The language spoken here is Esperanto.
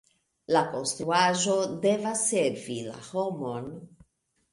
La konstruaĵo devas servi la homon.